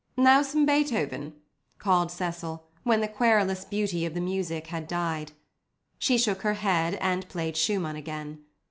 "Now some Beethoven" called Cecil, when the querulous beauty of the music had died. She shook her head and played Schumann again.